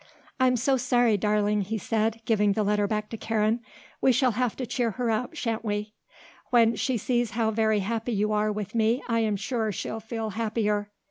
"I'm so sorry, darling," he said, giving the letter back to Karen. "We shall have to cheer her up, shan't we? When she sees how very happy you are with me I am sure she'll feel happier."